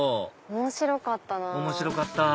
面白かった！